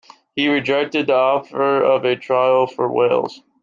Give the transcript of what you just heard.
He rejected the offer of a trial for Wales.